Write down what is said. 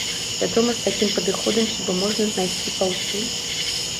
Вядома, з такім падыходам хібы можна знайсці паўсюль.